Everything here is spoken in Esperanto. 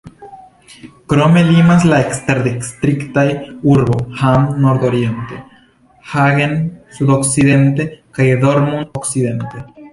Krome limas la eksterdistriktaj urboj Hamm nordoriente, Hagen sudokcidente kaj Dortmund okcidente.